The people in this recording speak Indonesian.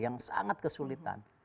yang sangat kesulitan